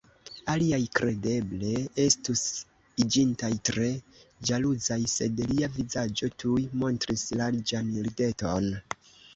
Aliaj kredeble estus iĝintaj tre ĵaluzaj, sed lia vizaĝo tuj montris larĝan rideton.